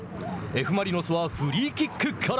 Ｆ・マリノスはフリーキックから。